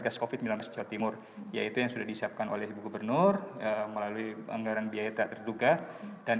gas covid sembilan belas jawa timur yaitu yang sudah disiapkan oleh ibu gubernur melalui anggaran biaya tak terduga dan